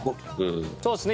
そうですね